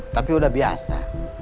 tapi udah biasa